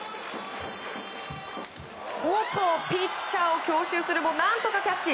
ピッチャーを強襲するも何とかキャッチ。